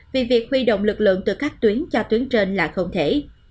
vì việc huy động lực lượng từ các tuyến cho tuyến trên là không thể